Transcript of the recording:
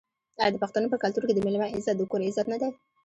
آیا د پښتنو په کلتور کې د میلمه عزت د کور عزت نه دی؟